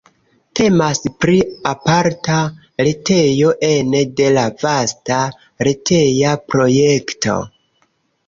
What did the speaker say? Temas pri aparta retejo ene de la vasta reteja projekto.